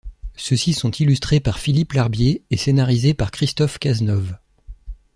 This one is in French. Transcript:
Ceux-ci sont illustrés par Philippe Larbier et scénarisés par Christophe Cazenove.